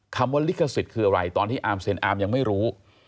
คำว่าลิขสิทธิ์คืออะไรตอนที่อาร์มเซ็นอาร์มยังไม่รู้